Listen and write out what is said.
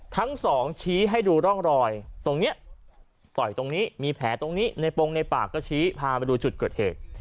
ชี้ให้ดูร่องรอยตรงนี้ต่อยตรงนี้มีแผลตรงนี้ในโปรงในปากก็ชี้พามาดูจุดเกิดเหตุ